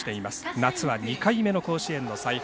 夏は２回目の甲子園の采配。